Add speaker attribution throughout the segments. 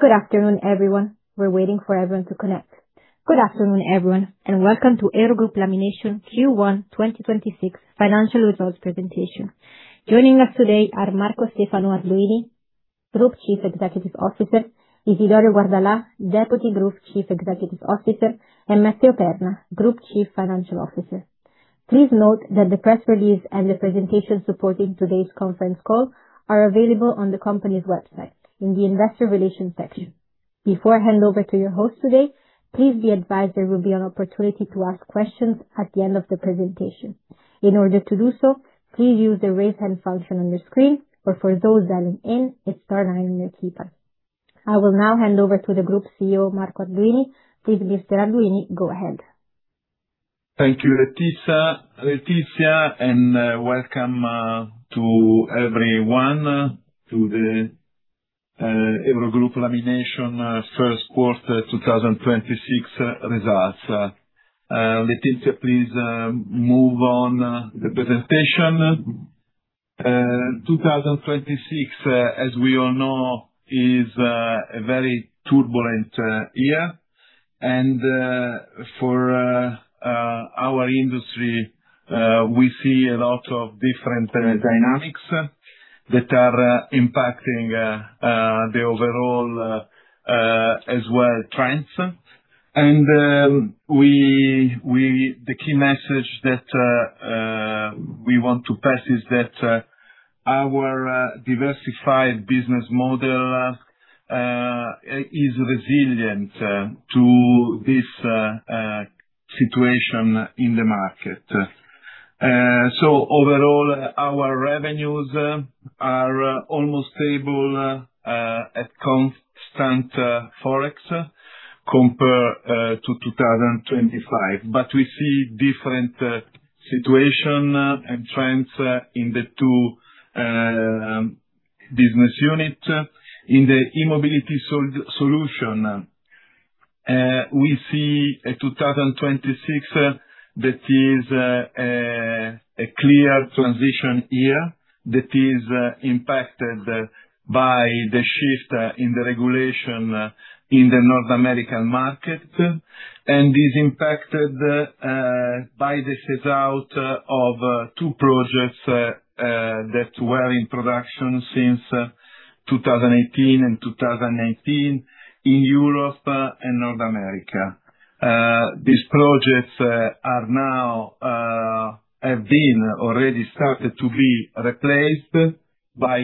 Speaker 1: Good afternoon, everyone. We're waiting for everyone to connect. Good afternoon, everyone, and welcome to EuroGroup Laminations Q1 2026 financial results presentation. Joining us today are Marco Arduini, Group Chief Executive Officer, Isidoro Guardalà, Deputy Group Chief Executive Officer, and Matteo Perna, Group Chief Financial Officer. Please note that the press release and the presentation supporting today's conference call are available on the company's website in the investor relations section. Before I hand over to your host today, please be advised there will be an opportunity to ask questions at the end of the presentation. In order to do so, please use the raise hand function on your screen or for those dialed in, it's star nine on your keypad. I will now hand over to the Group CEO, Marco Arduini. Please, Mr. Arduini, go ahead.
Speaker 2: Thank you, Letizia. Welcome to everyone to the EuroGroup Laminations Q1 2026 results. Letizia, please move on the presentation. 2026, as we all know, is a very turbulent year. For our industry, we see a lot of different dynamics that are impacting the overall as well trends. The key message that we want to pass is that our diversified business model is resilient to this situation in the market. Overall, our revenues are almost stable at constant Forex compared to 2025. We see different situation and trends in the two business unit. In the E-mobility solutions, we see a 2026 that is a clear transition year that is impacted by the shift in the regulation in the North American market and is impacted by the phase-out of two projects that were in production since 2018 and 2019 in Europe and North America. These projects have been already started to be replaced by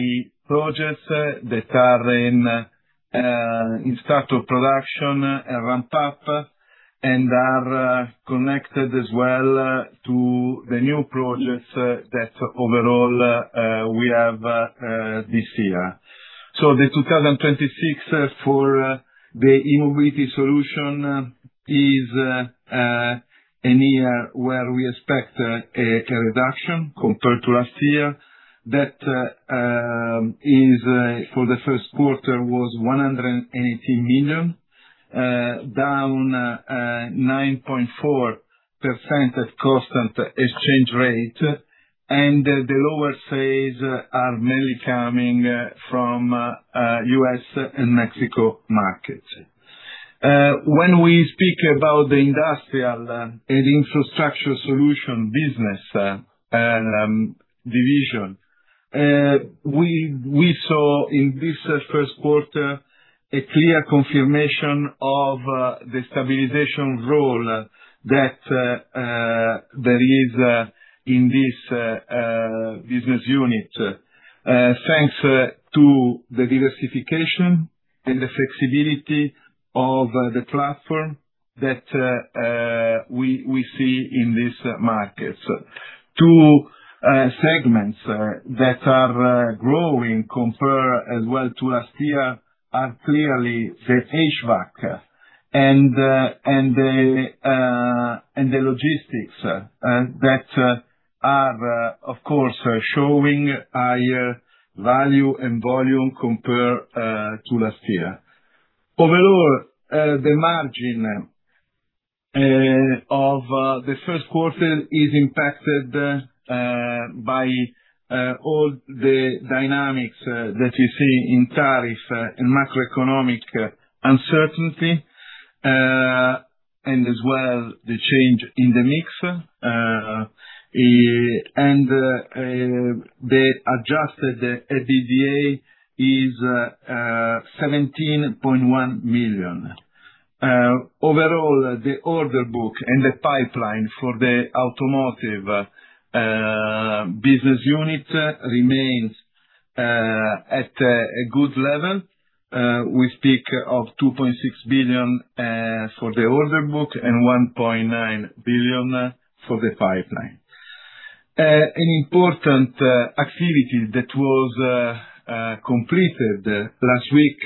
Speaker 2: projects that are in start of production and ramp up, and are connected as well to the new projects that overall we have this year. The 2026 for the E-mobility solutions is a year where we expect a reduction compared to last year. That is for the Q1 was 118 million, down 9.4% at constant exchange rate, and the lower sales are mainly coming from U.S. and Mexico markets. When we speak about the Industrial & Infrastructure Solutions Business division, we saw in this Q1 a clear confirmation of the stabilization role that there is in this business unit. Thanks to the diversification and the flexibility of the platform that we see in these markets. Two segments that are growing compared as well to last year are clearly the HVAC and the logistics, that are, of course, showing higher value and volume compared to last year. Overall, the margin of the Q1 is impacted by all the dynamics that you see in tariff and macroeconomic uncertainty, and as well, the change in the mix. The adjusted EBITDA is 17.1 million. Overall, the order book and the pipeline for the automotive business unit remains at a good level. We speak of 2.6 billion for the order book and 1.9 billion for the pipeline. An important activity that was completed last week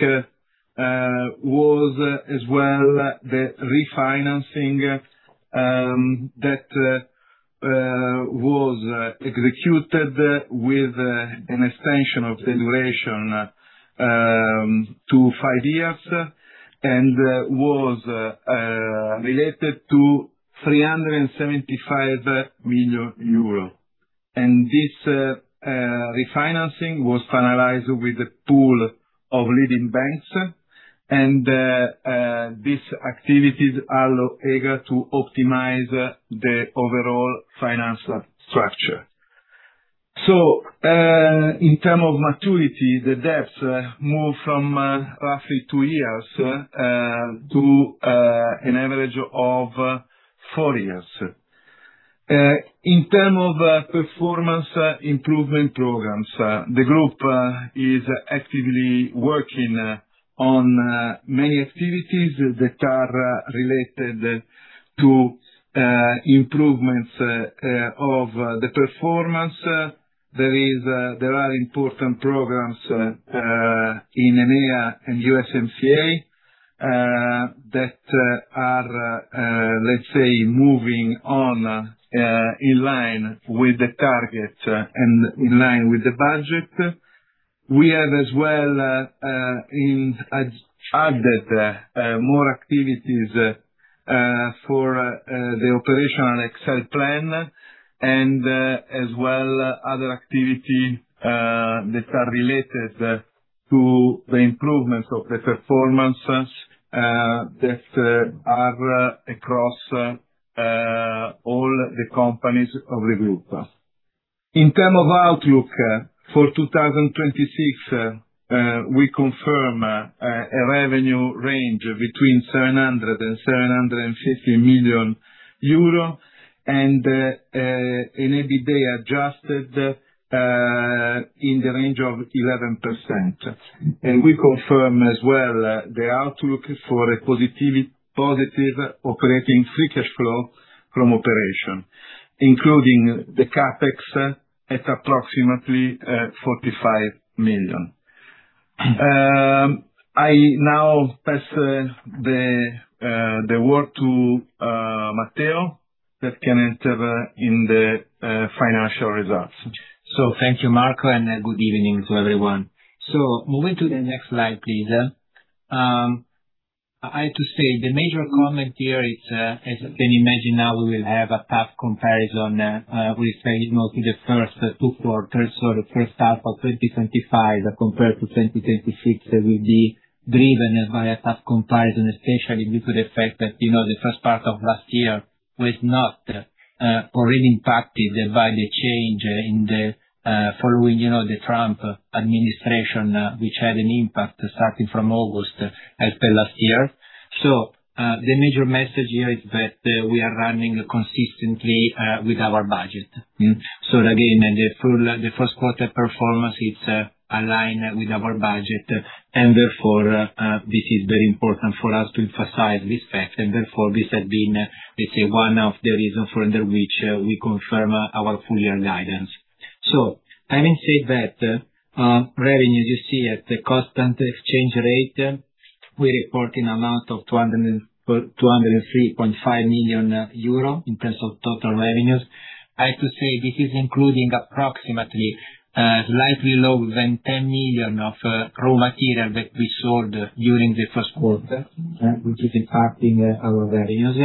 Speaker 2: was as well the refinancing that was executed with an extension of the duration to five years and was related to 375 million euro. This refinancing was finalized with a pool of leading banks. These activities allow EGLA to optimize the overall financial structure. In terms of maturity, the debts move from roughly two years to an average of four years. In terms of performance improvement programs, the group is actively working on many activities that are related to improvements of the performance. There are important programs in EMEA and USMCA that are, let's say, moving on in line with the target and in line with the budget. We have as well added more activities for the Operational Excellence Plan and as well other activity that are related to the improvements of the performance that are across all the companies of the group. In terms of outlook for 2026, we confirm a revenue range between 700 million-750 million euro and an EBITDA adjusted in the range of 11%. We confirm as well the outlook for a positive operating free cash flow from operation, including the CapEx at approximately 45 million. I now pass the word to Matteo that can enter in the financial results.
Speaker 3: Thank you, Marco, and good evening to everyone. Moving to the next slide, please. I have to say the major comment here is, as you can imagine now we will have a tough comparison with respect to the first two quarters or the H1 of 2025 compared to 2026 will be driven by a tough comparison, especially with the fact that the first part of last year was not really impacted by the change following the Trump administration, which had an impact starting from August as per last year. The major message here is that we are running consistently with our budget. Again, the Q1 performance, it's aligned with our budget and therefore this is very important for us to emphasize this fact. Therefore this has been, let's say, one of the reasons for under which we confirm our full year guidance. Having said that, revenues you see at the constant exchange rate, we report an amount of 203.5 million euro in terms of total revenues. I have to say this is including approximately slightly lower than 10 million of raw material that we sold during the Q1, which is impacting our revenues,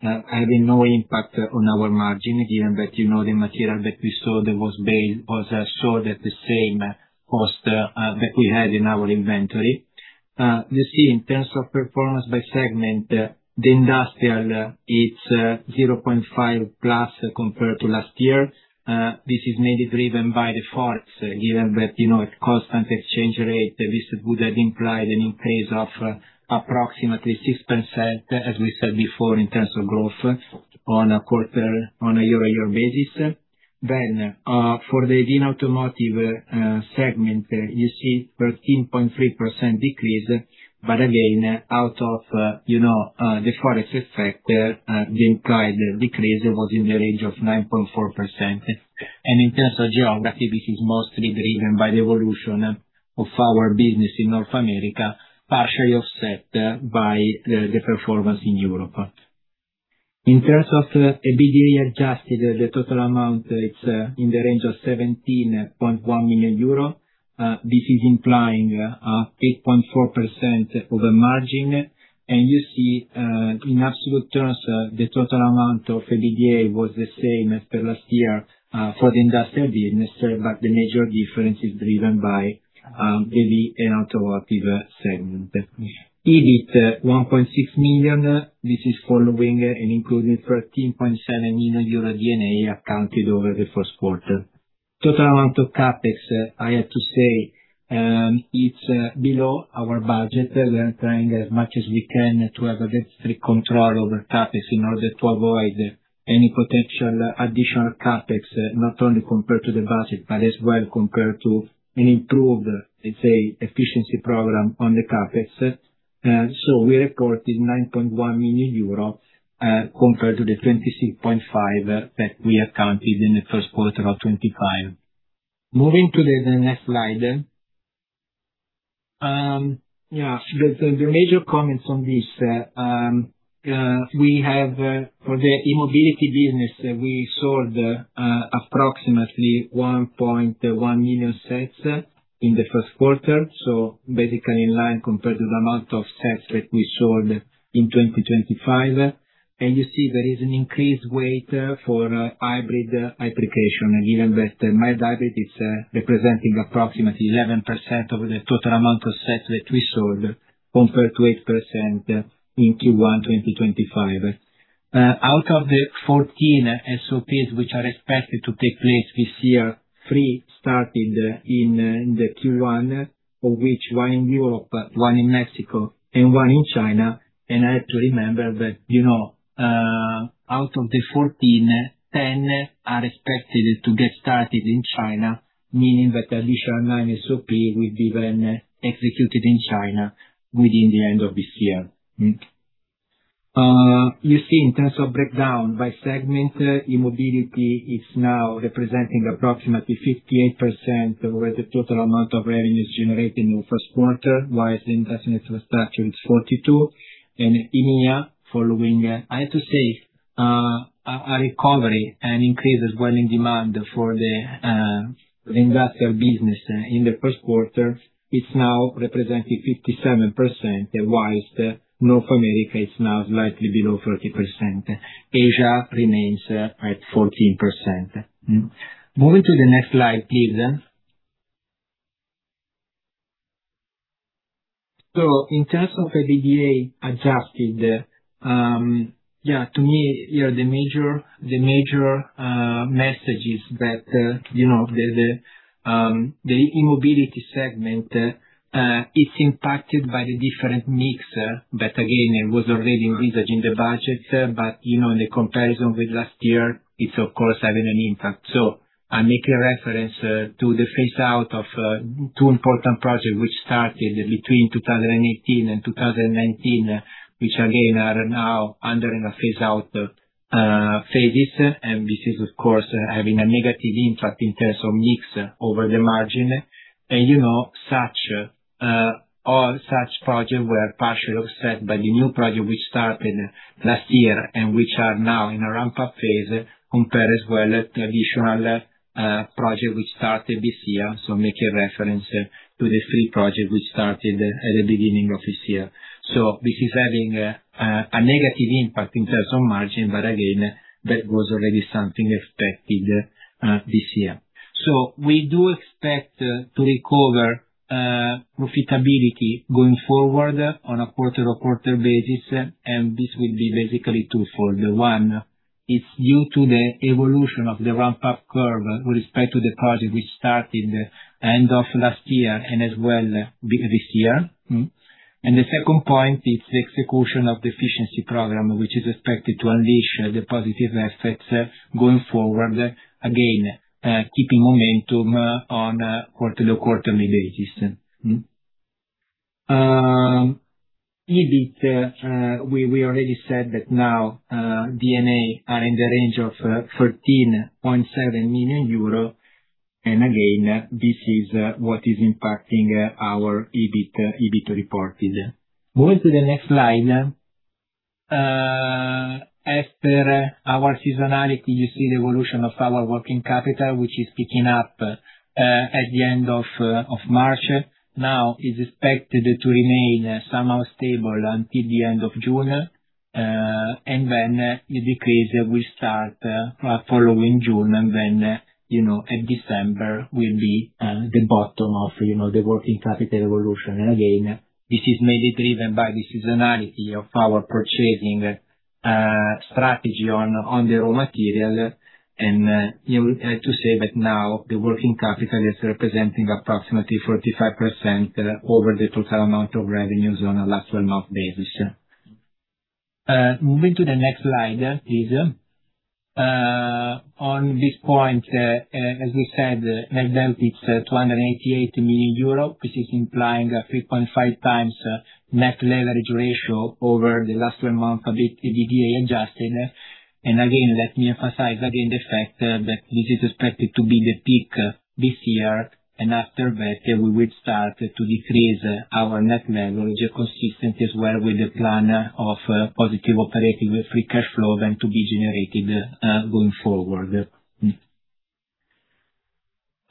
Speaker 3: having no impact on our margin, given that the material that we sold was sold at the same cost that we had in our inventory. You see, in terms of performance by segment, the Industrial, it's 0.5+ compared to last year. This is mainly driven by the Forex, given that constant exchange rate, this would have implied an increase of approximately 6%, as we said before, in terms of growth on a year-on-year basis. For the EV & Automotive segment, you see 13.3% decrease, again, out of the Forex effect, the implied decrease was in the range of 9.4%. In terms of geography, this is mostly driven by the evolution of our business in North America, partially offset by the performance in Europe. In terms of EBITDA adjusted, the total amount it's in the range of 17.1 million euro. This is implying a 8.4% of the margin. You see in absolute terms, the total amount of EBITDA was the same as per last year for the Industrial & Infrastructure Business, the major difference is driven by EV & Automotive segment. EBIT, 1.6 million. This is following an included 13.7 million euro D&A accounted over the Q1. Total amount of CapEx, I have to say it's below our budget. We're trying as much as we can to have a strict control over CapEx in order to avoid any potential additional CapEx, not only compared to the budget, but as well compared to an improved, let's say, efficiency program on the CapEx. We reported 9.1 million euro, compared to 26.5 million that we accounted in the Q1 of 2025. Moving to the next slide. The major comments on this. We have, for the E-mobility business, we sold approximately 1.1 million sets in the Q1. Basically, in line compared to the amount of sets that we sold in 2025. You see there is an increased weight for hybrid application, given that mild hybrid is representing approximately 11% of the total amount of sets that we sold, compared to 8% in Q1 2025. Out of the 14 SOPs which are expected to take place this year, three started in the Q1, of which one in Europe, one in Mexico, and one in China. I have to remember that out of the 14, 10 are expected to get started in China, meaning that additional nine SOP will be then executed in China within the end of this year. You see, in terms of breakdown by segment, E-mobility is now representing approximately 58% over the total amount of revenues generated in Q1, whilst Industrial & Infrastructure is 42%, and EMEA following. I have to say, a recovery and increase as well in demand for the Industrial Business in the Q1, it's now representing 57%, whilst North America is now slightly below 30%. Asia remains at 14%. Moving to the next slide, please. In terms of EBITDA adjusted, to me, the major message is that the E-mobility segment is impacted by the different mix that, again, was already envisaged in the budget. In the comparison with last year, it's of course, having an impact. I make a reference to the phase-out of two important projects which started between 2018 and 2019, which again, are now under a phase-out phases. This is, of course, having a negative impact in terms of mix over the margin. All such projects were partially offset by the new project which started last year and which are now in a ramp-up phase compared as well to additional projects which started this year. Make a reference to the three projects which started at the beginning of this year. This is having a negative impact in terms of margin, but again, that was already something expected this year. We do expect to recover profitability going forward on a quarter-on-quarter basis, and this will be basically two-fold. One, it's due to the evolution of the ramp-up curve with respect to the project which started end of last year and as well this year. The second point is the execution of the efficiency program, which is expected to unleash the positive effects going forward, again, keeping momentum on a quarter-on-quarter basis. EBIT, we already said that now D&A are in the range of 13.7 million euro. Again, this is what is impacting our EBIT reported. Moving to the next slide. After our seasonality, you see the evolution of our working capital, which is picking up at the end of March. Now it's expected to remain somehow stable until the end of June, and then the decrease will start following June, and then at December will be the bottom of the working capital evolution. Again, this is mainly driven by the seasonality of our purchasing strategy on the raw material. I have to say that now the working capital is representing approximately 45% over the total amount of revenues on a last 12-month basis. Moving to the next slide, please. On this point, as we said, net debt is 288 million euro, which is implying a 3.5x net leverage ratio over the last 12-month EBITDA adjusted. Again, let me emphasize again the fact that this is expected to be the peak this year, and after that, we will start to decrease our net leverage consistent as well with the plan of positive operating free cash flow then to be generated going forward.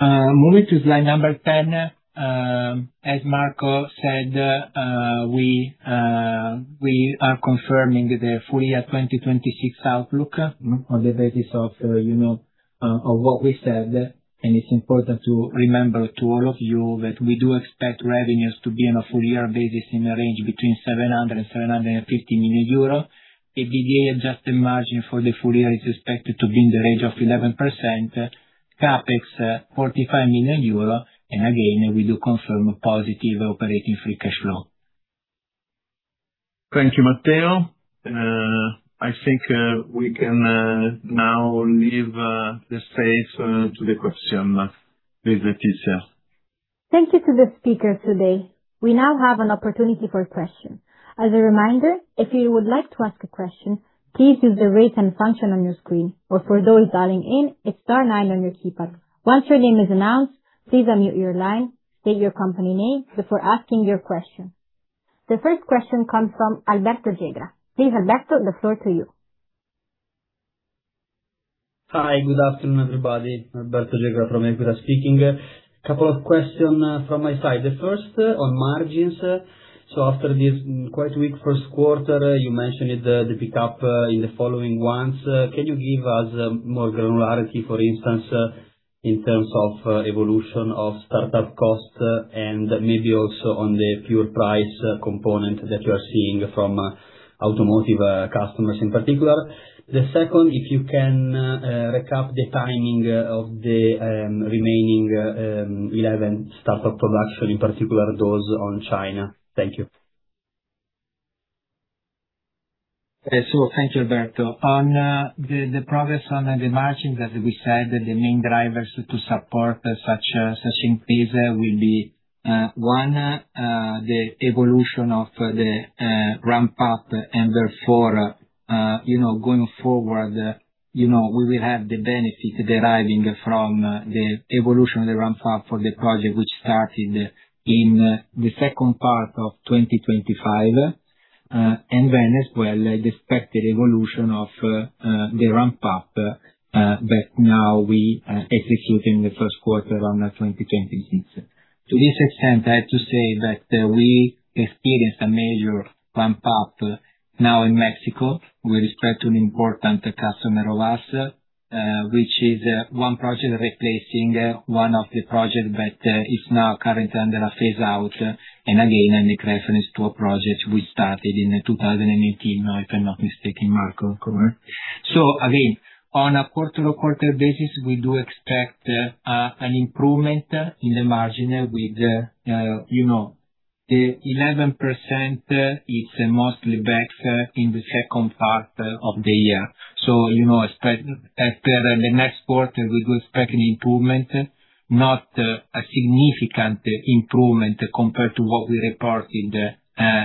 Speaker 3: Moving to slide number 10. As Marco said, we are confirming the full year 2026 outlook on the basis of what we said. It's important to remember to all of you that we do expect revenues to be on a full year basis in the range between 700 million euros and 750 million euro. EBITDA adjusted margin for the full year is expected to be in the range of 11%. CapEx, 45 million euro. Again, we do confirm positive operating free cash flow.
Speaker 2: Thank you, Matteo. I think we can now leave the stage to the questions with Letizia.
Speaker 1: Thank you to the speakers today. We now have an opportunity for questions. As a reminder, if you would like to ask a question, please use the Raise Hand function on your screen. For those dialing in, it's star nine on your keypad. Once your name is announced, please unmute your line, state your company name before asking your question. The first question comes from Alberto Gegra. Please, Alberto, the floor to you.
Speaker 4: Hi. Good afternoon, everybody. Alberto Gegra from Equita speaking. Couple of questions from my side. The first on margins. After this quite weak Q1, you mentioned the pickup in the following ones. Can you give us more granularity, for instance, in terms of evolution of startup costs and maybe also on the pure price component that you are seeing from automotive customers in particular? The second, if you can recap the timing of the remaining 11 startup production, in particular, those on China. Thank you.
Speaker 3: Thank you, Alberto. On the progress on the margin, as we said, the main drivers to support such increase will be, one, the evolution of the ramp-up and therefore, going forward, we will have the benefit deriving from the evolution of the ramp-up for the project which started in the second part of 2025, and then as well, the expected evolution of the ramp-up that now we are executing the Q1 of 2026. To this extent, I have to say that we experienced a major ramp-up now in Mexico with respect to an important customer of ours, which is one project replacing one of the projects that is now currently under a phase-out. Again, I make reference to a project we started in 2018, if I'm not mistaken, Marco, correct? Again, on a quarter-to-quarter basis, we do expect an improvement in the margin with the 11%. It's mostly back in the second part of the year. After the next quarter, we do expect an improvement, not a significant improvement compared to what we reported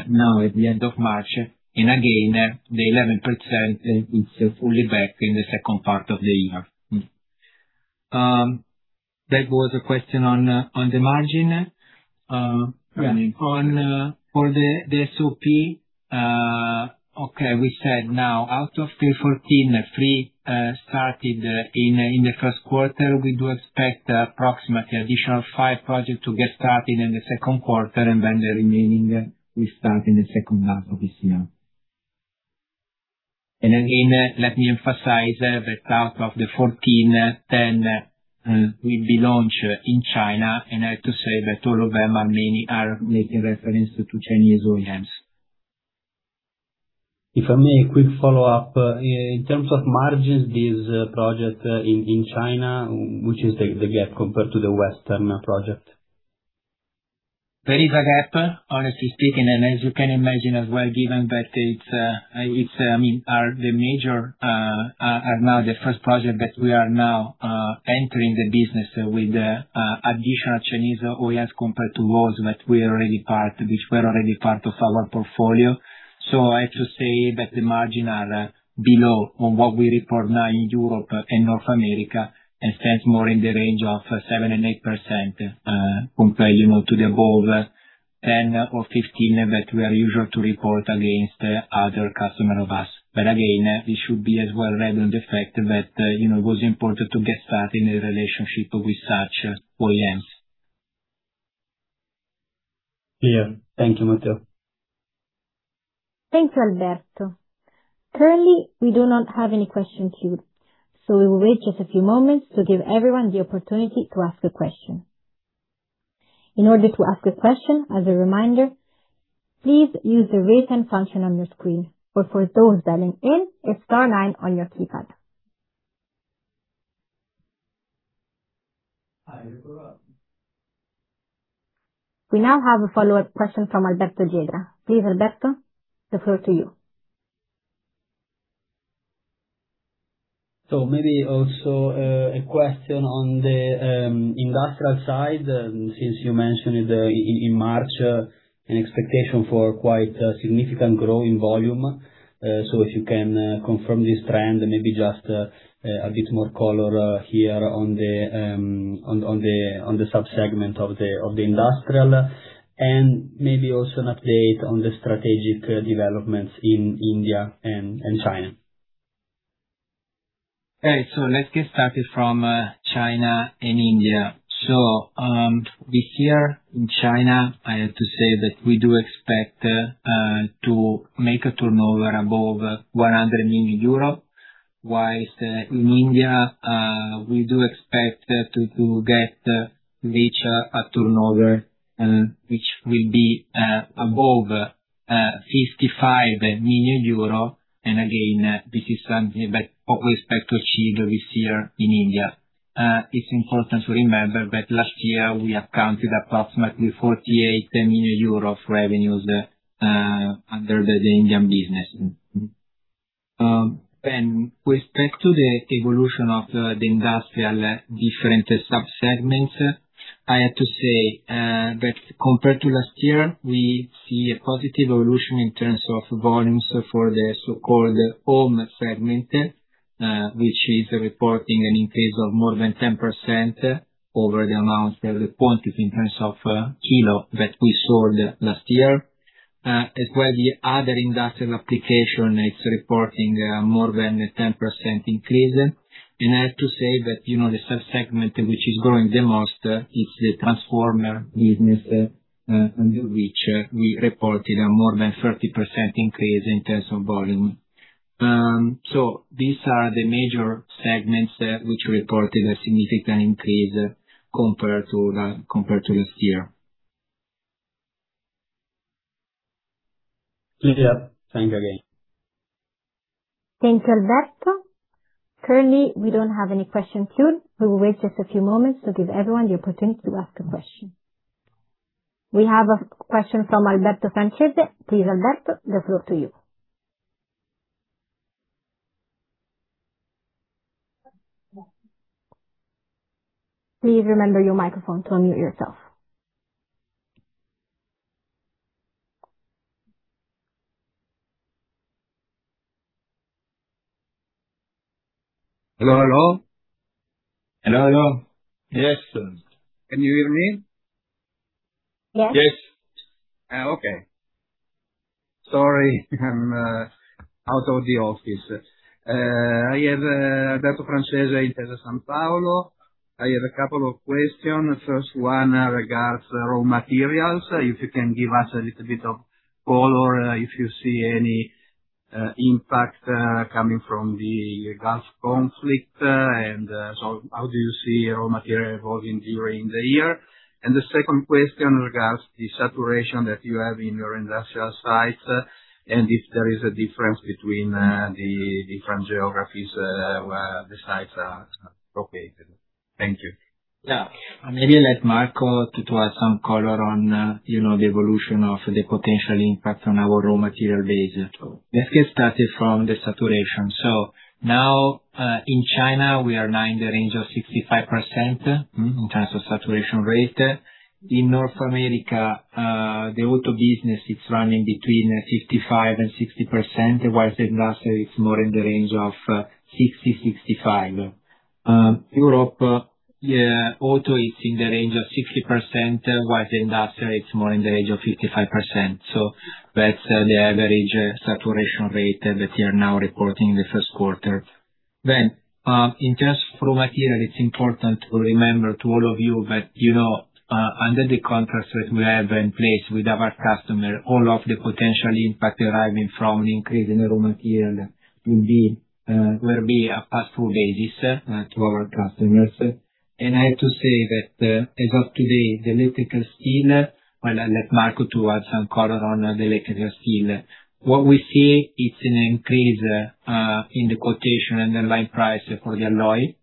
Speaker 3: now at the end of March. Again, the 11% is fully back in the second part of the year. That was a question on the margin. On the SOP, okay, we said now out of the 14, three started in the Q1. We do expect approximately additional five projects to get started in the Q1, and then the remaining will start in the H2 of this year. Again, let me emphasize that out of the 14, 10 will be launched in China. I have to say that all of them are making reference to Chinese OEMs.
Speaker 4: If I may a quick follow-up. In terms of margins, this project in China, which is the gap compared to the Western project?
Speaker 3: There is a gap, honestly speaking, as you can imagine as well, given that it's the major Are now the first project that we are now entering the business with additional Chinese OEMs compared to those which were already part of our portfolio. I have to say that the margin are below on what we report now in Europe and North America, stands more in the range of 7% and 8% compared to the above 10% or 15% that we are usual to report against other customer of us. Again, it should be as well read on the fact that it was important to get started in a relationship with such OEMs.
Speaker 4: Yeah. Thank you, Matteo.
Speaker 1: Thanks, Alberto. Currently, we do not have any questions queued. We will wait just a few moments to give everyone the opportunity to ask a question. In order to ask a question, as a reminder, please use the Raise Hand function on your screen, or for those dialing in, a star nine on your keypad. We now have a follow-up question from Alberto Gegra. Please, Alberto, the floor to you.
Speaker 4: Maybe also a question on the industrial side, since you mentioned it in March, an expectation for quite a significant growing volume. If you can confirm this trend, maybe just a bit more color here on the sub-segment of the industrial, and maybe also an update on the strategic developments in India and China.
Speaker 3: Okay. Let's get started from China and India. This year in China, I have to say that we do expect to make a turnover above 100 million euro, whilst in India, we do expect to reach a turnover which will be above 55 million euro. Again, this is something that we expect to achieve this year in India. It's important to remember that last year we accounted approximately 48 million euros of revenues under the Indian business. With respect to the evolution of the industrial different sub-segments, I have to say that compared to last year, we see a positive evolution in terms of volumes for the so-called home segment, which is reporting an increase of more than 10%, already announced and reported in terms of kilo that we sold last year. As well, the other industrial application is reporting more than a 10% increase. I have to say that the sub-segment which is growing the most is the transformer business, under which we reported a more than 30% increase in terms of volume. These are the major segments which reported a significant increase compared to last year.
Speaker 4: Clear. Thank you again.
Speaker 1: Thanks, Alberto. Currently, we don't have any questions queued. We will wait just a few moments to give everyone the opportunity to ask a question. We have a question from Alberto Francese. Please, Alberto, the floor to you. Please remember your microphone to unmute yourself.
Speaker 5: Hello, hello.
Speaker 3: Hello, hello.
Speaker 2: Yes, sir.
Speaker 5: Can you hear me?
Speaker 1: Yes.
Speaker 2: Yes.
Speaker 5: Okay. Sorry. I'm out of the office. I have Alberto Francese, Intesa Sanpaolo. I have a couple of questions. First one regards raw materials. If you can give us a little bit of color, if you see any impact coming from the Gulf conflict. How do you see raw material evolving during the year? The second question regards the saturation that you have in your industrial sites, and if there is a difference between the different geographies where the sites are located. Thank you.
Speaker 3: Yeah. Maybe let Marco to add some color on the evolution of the potential impact on our raw material base. Let's get started from the saturation. Now, in China, we are now in the range of 65% in terms of saturation rate. In North America, the auto business is running between 55%-60%, whilst the Industrial is more in the range of 60%-65%. Europe, auto is in the range of 60%, whilst Industrial is more in the range of 55%. That's the average saturation rate that we are now reporting in the Q1. In terms of raw material, it's important to remember to all of you that under the contracts that we have in place with our customer, all of the potential impact arriving from an increase in raw material will be a pass-through basis to our customers. I have to say that as of today, Well, I let Marco to add some color on the electrical steel. What we see, it's an increase in the quotation and the line price for the alloy,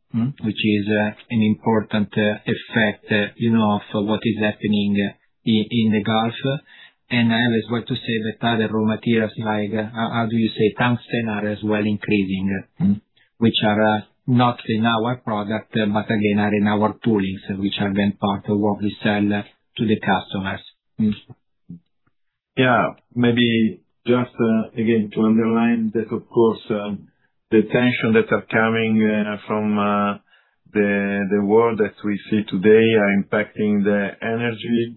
Speaker 3: which is an important effect of what is happening in the Gulf. I always want to say that other raw materials like, how do you say, tungsten, are as well increasing, which are not in our product but again, are in our toolings, which are then part of what we sell to the customers.
Speaker 2: Yeah. Maybe just, again, to underline that, of course, the tension that are coming from the world that we see today are impacting the energy.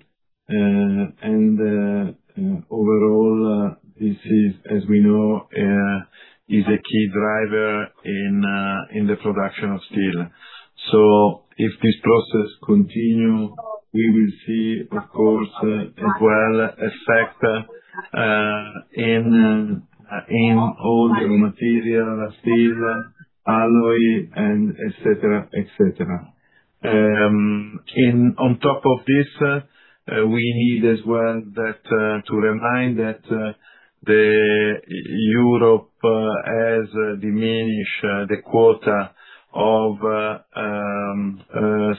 Speaker 2: Overall this is, as we know, is a key driver in the production of steel. If this process continue, we will see, of course, as well, effect in all the raw material, steel, alloy, and et cetera. On top of this, we need as well to remind that Europe has diminished the quota of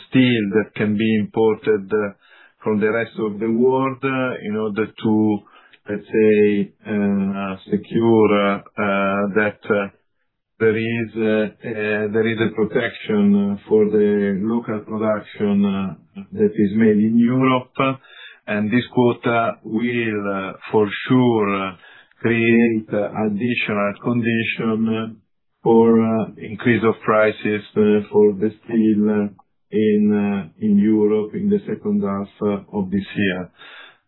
Speaker 2: steel that can be imported from the rest of the world in order to, let's say, secure that there is a protection for the local production that is made in Europe. This quota will, for sure, create additional condition for increase of prices for the steel in Europe in the H2 of this year.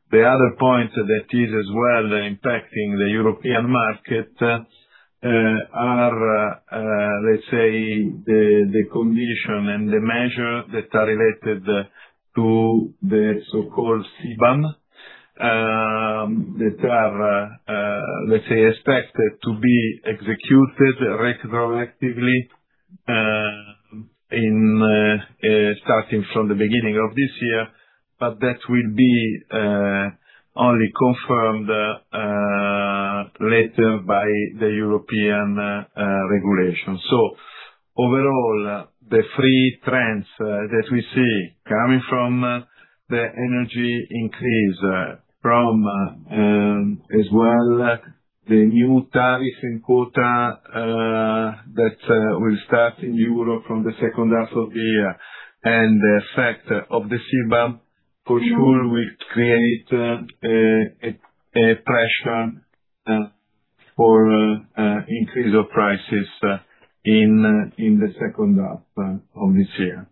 Speaker 2: The other point that is as well impacting the European market are, let's say, the condition and the measure that are related to the so-called CBAM, that are, let's say, expected to be executed retroactively, starting from the beginning of this year, but that will be only confirmed later by the European regulation. Overall, the three trends that we see coming from the energy increase from, as well, the new tariff and quota that will start in Europe from the H2 of the hear, and the effect of the CBAM, for sure will create a pressure for increase of prices in the H2 of this year.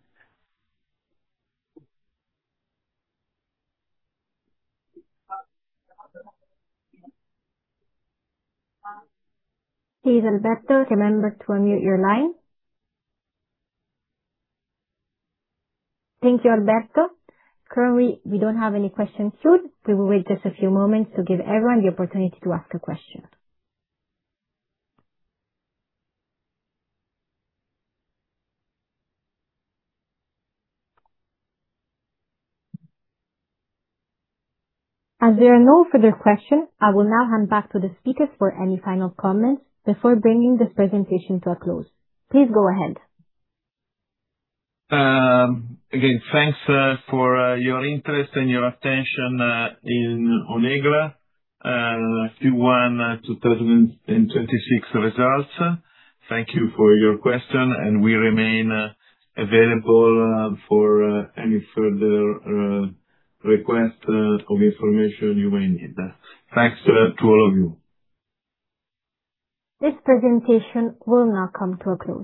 Speaker 1: Please, Alberto, remember to unmute your line. Thank you, Alberto. Currently, we don't have any questions queued. We will wait just a few moments to give everyone the opportunity to ask a question. As there are no further questions, I will now hand back to the speakers for any final comments before bringing this presentation to a close. Please go ahead.
Speaker 2: Again, thanks for your interest and your attention in Q1 2026 results. Thank you for your question, and we remain available for any further requests of information you may need. Thanks to all of you.
Speaker 1: This presentation will now come to a close.